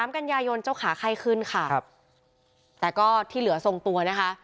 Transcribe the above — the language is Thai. กันยายนเจ้าขาไข้ขึ้นค่ะครับแต่ก็ที่เหลือทรงตัวนะคะ